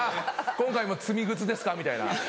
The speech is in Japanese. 今回も積み靴ですかみたいな。